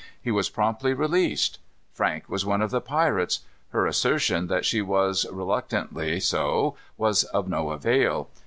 He was promptly released. Frank was one of the pirates. Her assertion that she was reluctantly so, was of no avail.